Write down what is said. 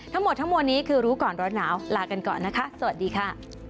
ทั้งหมดทั้งมวลนี้คือรู้ก่อนร้อนหนาวลากันก่อนนะคะสวัสดีค่ะ